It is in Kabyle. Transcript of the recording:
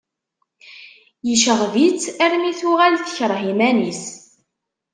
Yecɣeb-itt armi tuɣal tekreh iman-is.